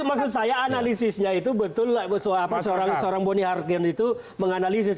maksud saya analisisnya itu betul seorang bonihargen itu menganalisis